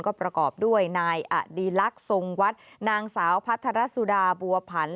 ก็ประกอบด้วยนายอดีลักษณ์ทรงวัดนางสาวพัทรสุดาบัวผัน